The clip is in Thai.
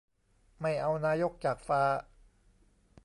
ไม่เอานายกจากฟ้า